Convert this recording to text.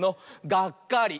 「がっかり」！